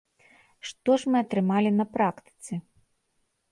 Што ж мы атрымалі на практыцы?